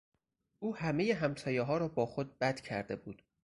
او همهی همسایهها را با خود بد کرده بود.